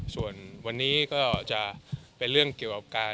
ส่วนวันนี้ก็จะเป็นเรื่องเกี่ยวกับการ